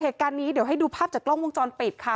เหตุการณ์นี้เดี๋ยวให้ดูภาพจากกล้องวงจรปิดค่ะ